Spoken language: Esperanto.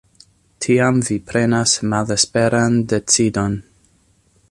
Tiam vi prenas malesperan decidon.